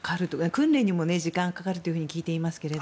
訓練にも時間がかかると聞いていますが。